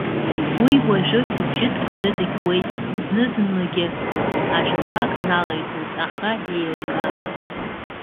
Уи уажәы, ибжьы ҭганы дқьуеит, зны-зынлагьы ажәақәак налеиҵоит, аха еилгам.